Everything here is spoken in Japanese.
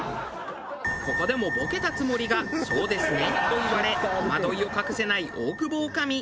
ここでもボケたつもりが「そうですね」と言われ戸惑いを隠せない大久保女将。